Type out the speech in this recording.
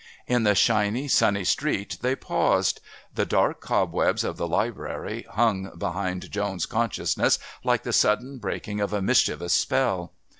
In the shiny, sunny street they paused. The dark cobwebs of the Library hung behind Joan's consciousness like the sudden breaking of a mischievous spell.